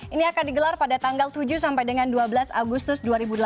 ini akan digelar pada tanggal tujuh sampai dengan dua belas agustus dua ribu delapan belas